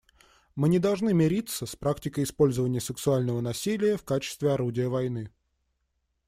Мы не должны мириться с практикой использования сексуального насилия в качестве орудия войны.